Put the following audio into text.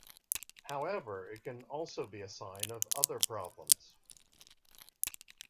However, it can also be a sign of other problems.